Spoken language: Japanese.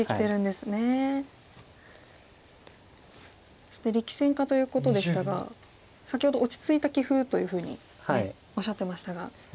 そして力戦家ということでしたが先ほど落ち着いた棋風というふうにおっしゃってましたが。